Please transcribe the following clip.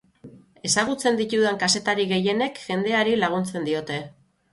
Ezagutzen ditudan kazetari gehienek jendeari laguntzen diote.